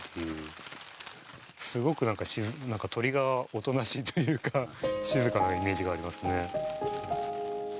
すごく鶏がおとなしいというか静かなイメージがありますね。